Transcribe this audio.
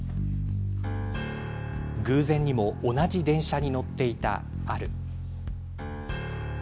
偶然にも同じ電車に乗っていたアル。